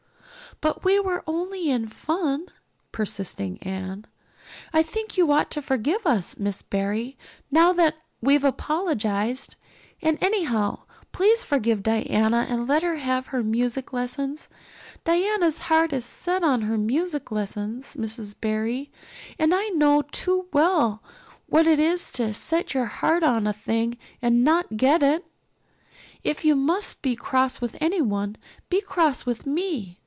"But we were only in fun," persisted Anne. "I think you ought to forgive us, Miss Barry, now that we've apologized. And anyhow, please forgive Diana and let her have her music lessons. Diana's heart is set on her music lessons, Miss Barry, and I know too well what it is to set your heart on a thing and not get it. If you must be cross with anyone, be cross with me.